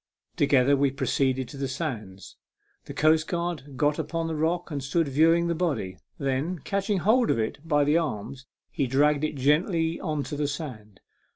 Together we proceeded to the sands. The coastguard got upon the rock and stood view ing the body. Then, catching hold of it by the arms, he dragged it gently on to the sand.